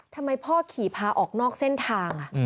ทำไมพ่อขี่พาออกนอกเส้นทาง